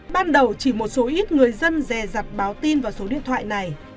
ban đầu chỉ một số ít người dân rè rặt báo tin vào số điện thoại này